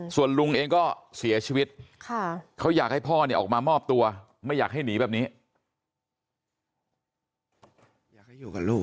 ส่วนลุงเองก็เสียชีวิตเขาอยากให้พ่อเนี่ยออกมามอบตัวไม่อยากให้หนีแบบนี้